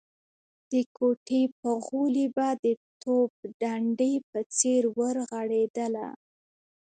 د کوټې په غولي به د توپ ډنډې په څېر ورغړېدله.